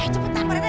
eh cepetan pak rete